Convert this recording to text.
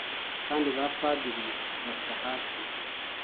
Kandi ba Padiri basya hasi